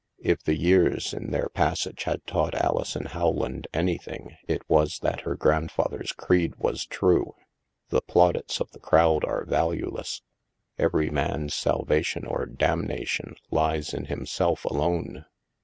If the years, in their passage, had taught Alison Howland anything, it was that her grandfather's creed was true: the plaudits of the crowd are valueless; every man's salvation or damnation lies in himself alone.